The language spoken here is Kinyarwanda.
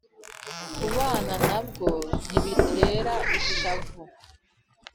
kubana na bwo ntibitera ishavu,